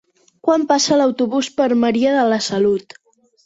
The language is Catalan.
Quan passa l'autobús per Maria de la Salut?